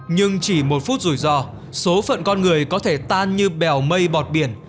nhưng chỉ một phút rủi ro số phận con người có thể tan như bèo mây bọt biển